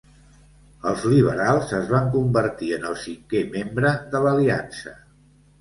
Els liberals es van convertir en el cinquè membre de l'Aliança.